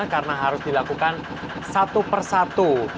karena harus dilakukan satu per satu